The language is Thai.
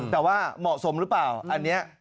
แต่ว่าเหมาะสมหรือเปล่าอันนี้